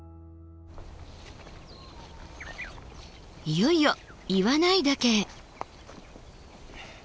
いよいよ岩内岳へ。